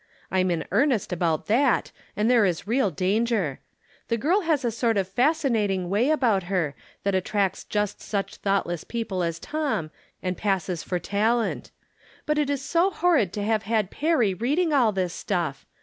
I'm in ear nest about that, and there is real danger. The 245 146 From Different Standpoints. ;irl Las a sort of fascinating way about her, that ttracts just such thoughtless people as Tom, and lasses for talent. But it is so horrid to have had 'erry reading all this stuff